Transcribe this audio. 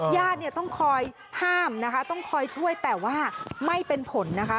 ญาติเนี่ยต้องคอยห้ามนะคะต้องคอยช่วยแต่ว่าไม่เป็นผลนะคะ